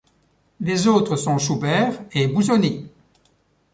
Les autres sont Schubert et Busoni.